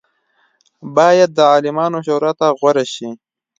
باید د عالمانو شورا ته غوره شي.